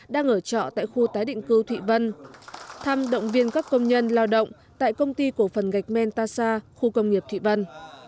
đang ở trọ tại khu tái định cư thụy vân thăm động viên các công nhân lao động tại công ty cổ phần gạch menta khu công nghiệp thụy vân